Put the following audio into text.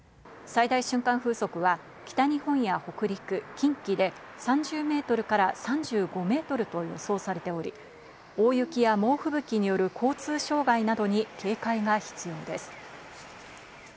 最大瞬間風速は北日本や北陸、近畿で３０メートルから３５メートルと予想されており、大雪や猛ふぶきによる交通障害などに警戒が必要です。